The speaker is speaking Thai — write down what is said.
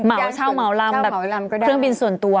เหมาเช่าเหมาลำแบบเหมาลำเครื่องบินส่วนตัว